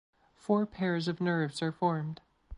Four pairs of nerves are formed.